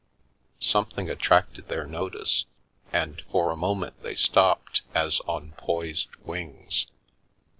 Something attracted their notice, and for a moment they stopped, as on poised wings.